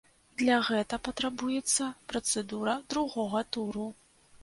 Для гэта патрабуецца працэдура другога туру.